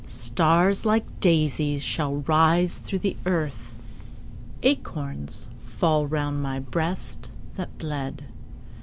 Stars, like daisies, shall rise through the earth, Acorns fall round my breast that bled.